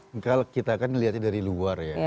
enggak kita kan melihatnya dari luar ya